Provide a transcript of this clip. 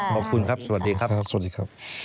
ขอบคุณครับสวัสดีครับ